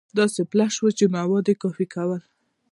دا داسې فلش و چې مواد يې کاپي کول.